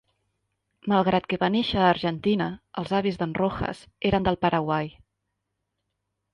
Malgrat que va néixer a Argentina, els avis de"n Rojas eren del Paraguai.